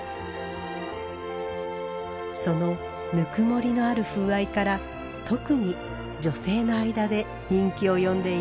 そのぬくもりのある風合いから特に女性の間で人気を呼んでいます。